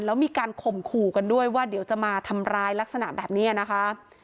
แล้วมีการข่มขู่กันด้วยว่าเดี๋ยวจะมาทำร้ายลักษณะแบบนี้นะคะ